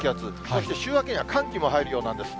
そして週明けには寒気も入るようなんです。